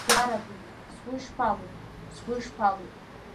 Иараби, сгәы ишԥалоу, сгәы ишԥалоу!